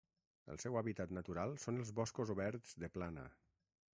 El seu hàbitat natural són els boscos oberts de plana.